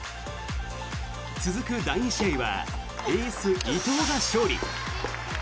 続く第２試合はエース、伊藤が勝利。